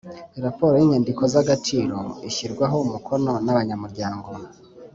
Rporo y’inyandiko z’agaciro ishyirwaho umukono n’abanyamuryango